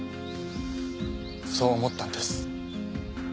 そう思ったんです。